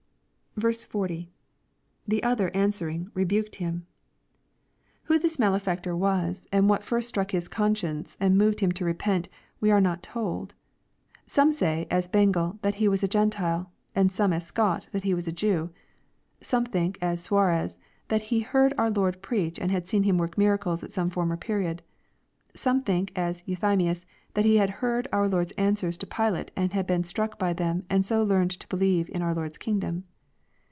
i. — [The other ansi.erir^^ rebuked him,] Who this malefactor waa^ LUKEj CHAP. XXIII. 475 and what first struck his conscience and moved him to repent, we are not told. Some say, as Bengel, that he was a Gentile ; and some as Scott, that he was a Jew. — Some think, as Suarez, that he had heard our Lord preach, and seen Him work miracles at some former period. — ^Some think, as Euthymius, that he had heard our Lord's answers to Pilate, and been struck by them and 80 learned to believe in our Lord's kingdom.